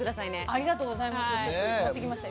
ありがとうございます。